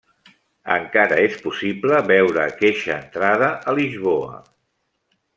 Encara és possible veure aqueixa entrada a Lisboa.